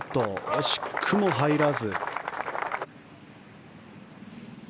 惜しくも入らず。